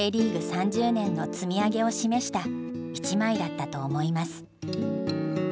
３０年の積み上げを示した１枚だったと思います」。